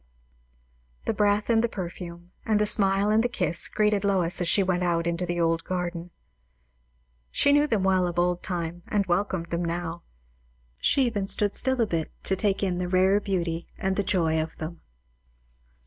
The breath and the perfume, and the smile and the kiss, greeted Lois as she went into the old garden. She knew them well of old time, and welcomed them now. She even stood still a bit to take in the rare beauty and joy of them.